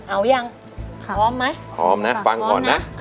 เอาหรือยังพร้อมไหม